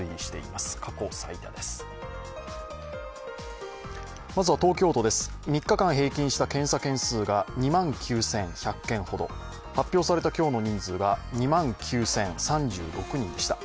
まずは東京都です、３日間平均した検査件数が２万９１００件ほど、発表された今日の人数が２万９０３６人でした。